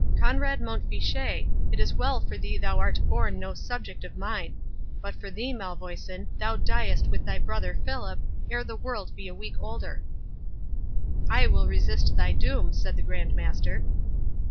—Conrade Mont Fitchet, it is well for thee thou art born no subject of mine.—But for thee, Malvoisin, thou diest with thy brother Philip, ere the world be a week older." "I will resist thy doom," said the Grand Master.